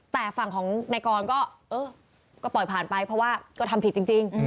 แต่ฝั่งของนายกรก็เออก็ปล่อยผ่านไปเพราะว่าก็ทำผิดจริง